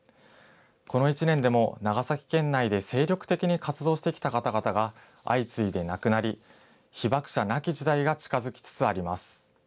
この１年でも長崎県内で精力的に活動してきた方々が相次いで亡くなり、被爆者なき時代が近づきつつあります。